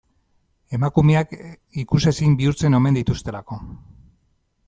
Emakumeak ikusezin bihurtzen omen dituztelako.